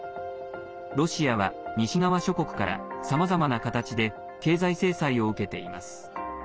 ロシアは、西側諸国からさまざまな形で経済制裁を受けています。